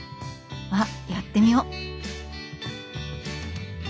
あっやってみよ！